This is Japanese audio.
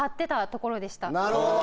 なるほど。